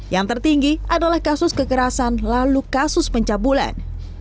yang tertinggi adalah kasus kekerasan lalu kasus pencabulan